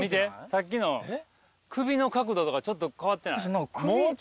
首の角度とかちょっと変わってない？